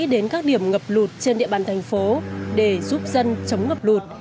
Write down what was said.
đến các điểm ngập lụt trên địa bàn thành phố để giúp dân chống ngập lụt